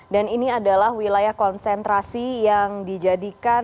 dan ini adalah wilayah konsentrasi yang dijadikan